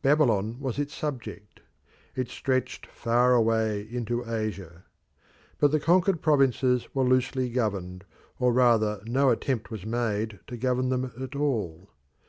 Babylon was its subject. It stretched far away into Asia. But the conquered provinces were loosely governed, or rather no attempt was made to govern them at all.